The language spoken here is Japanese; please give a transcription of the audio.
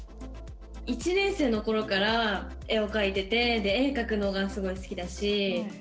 １年生の頃から絵を描いてて絵描くのがすごい好きだし。